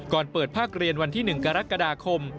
ก่อนเปิดภาคเรียนวันที่๑กรกฎาคม